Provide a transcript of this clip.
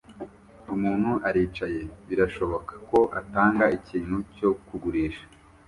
Umuntu aricaye birashoboka ko atanga ikintu cyo kugurisha